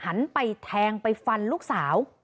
หันไปแทงไปฟันลูกสาว